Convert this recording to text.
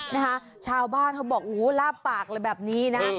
นะคะชาวบ้านเขาบอกโอ้โหลาบปากเลยแบบนี้นะ